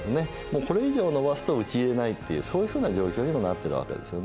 もうこれ以上延ばすと討ち入れないっていうそういうふうな状況にもなってるわけですよね。